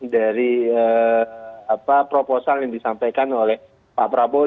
dari proposal yang disampaikan oleh pak prabowo